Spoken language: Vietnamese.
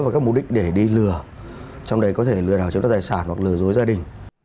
và các mục đích để đi lừa trong đấy có thể lừa đảo chống đất đại sản hoặc lừa dối gia đình